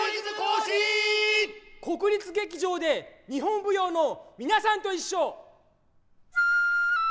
国立劇場で日本舞踊のみなさんといっしょ。